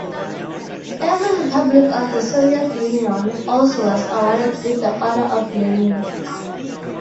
Every republic of the Soviet Union also was awarded with the Order of Lenin.